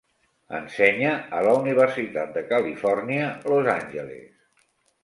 Ensenya a la Universitat de Califòrnia, Los Angeles.